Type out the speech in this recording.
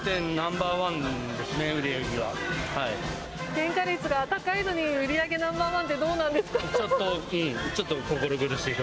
原価率が高いのに売上ナンバー１ってどうなんですか？